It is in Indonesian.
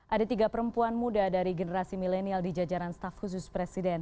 ada tiga perempuan muda dari generasi milenial di jajaran staf khusus presiden